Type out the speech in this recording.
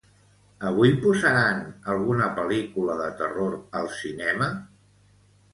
Avui posaran alguna pel·lícula de terror al cinema?